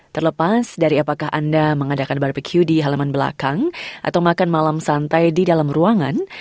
terlepas dari apakah anda mengadakan barbecue di halaman belakang atau makan malam santai di dalam ruangan